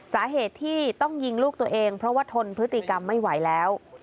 สาเหตุที่ต้องยิงลูกตัวเองเพราะว่าทนพฤติกรรมไม่ไหวแล้ว